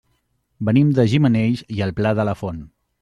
Venim de Gimenells i el Pla de la Font.